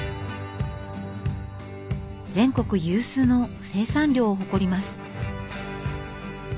全国有数の生産量を誇ります。